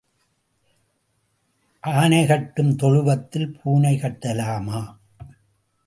ஆனை கட்டும் தொழுவத்தில் பூனை கட்டலாமா?